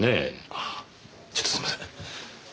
ああちょっとすみません。